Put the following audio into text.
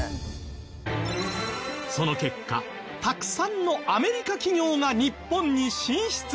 その結果たくさんのアメリカ企業が日本に進出。